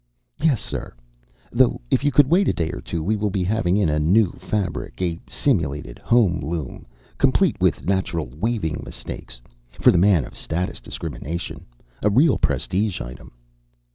"Yes, sir. Though if you could wait a day or two, we will be having in a new fabric a simulated Home Loom, complete with natural weaving mistakes. For the man of status discrimination. A real prestige item."